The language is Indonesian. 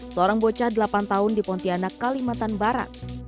seorang bocah delapan tahun di pontianak kalimantan barat